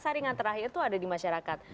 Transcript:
saringan terakhir itu ada di masyarakat